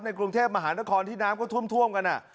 กรุงเทพมหานครที่น้ำก็ท่วมกัน